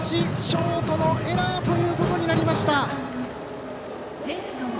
ショートのエラーということになりました。